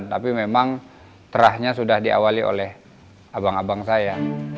tapi memang terahnya sudah diawali oleh abang abang saya